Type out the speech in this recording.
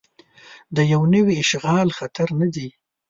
د یو نوي اشغال خطر نه ځي.